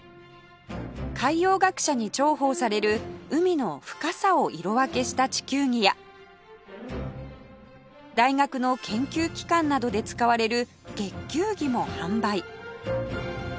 海洋学者に重宝される海の深さを色分けした地球儀や大学の研究機関などで使われる月球儀も販売